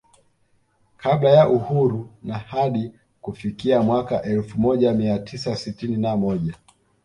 Kabla ya Uhuru na hadi kufikia mwaka elfu moja mia tisa sitini na moja